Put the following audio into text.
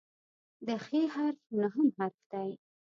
د "خ" حرف نهم حرف دی.